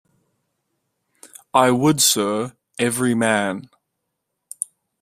I would, sir — every man.